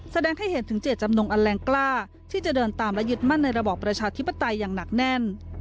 แสดงให้เห็นถึงเจตจำนงอันแรงกล้าที่จะเดินตามและยึดมั่นในระบอบประชาธิปไตยอย่างหนักแน่น